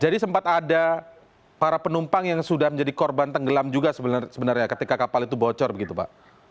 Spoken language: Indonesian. jadi sempat ada para penumpang yang sudah menjadi korban tenggelam juga sebenarnya ketika kapal itu bocor pak